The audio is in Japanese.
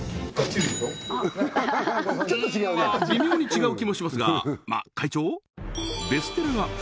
うーんまあ微妙に違う気もしますがまっ会長